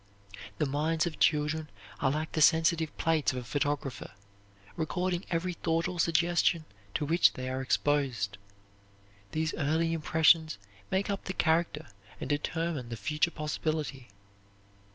The minds of children are like the sensitive plates of a photographer, recording every thought or suggestion to which they are exposed. These early impressions make up the character and determine the future possibility.